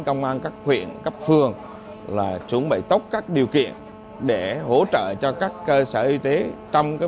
công an các huyện cấp phường là chuẩn bị tốt các điều kiện để hỗ trợ cho các cơ sở y tế trong